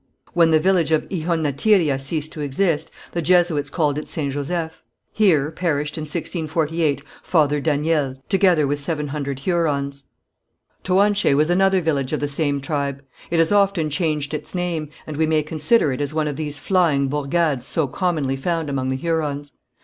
When the village of Ihonatiria ceased to exist, the Jesuits called it St. Joseph. Here perished, in 1648, Father Daniel, together with seven hundred Hurons. Toanché was another village of the same tribe. It has often changed its name, and we may consider it as one of these flying bourgades so commonly found among the Hurons.